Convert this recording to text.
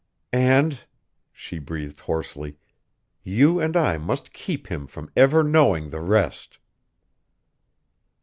"And," she breathed hoarsely, "you and I must keep him from ever knowing the rest!"